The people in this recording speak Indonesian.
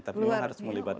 tapi harus melibatkan